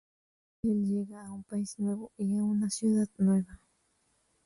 Él llega a un país nuevo, y a una ciudad nueva.